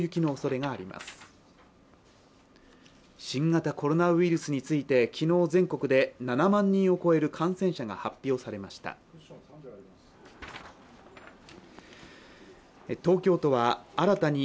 新型コロナウイルスについて昨日全国で７万人を超える感染者が発表されました。